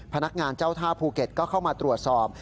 พนักงานเจ้าท่าภูเก็ตก็เข้ามาตรวจสอบ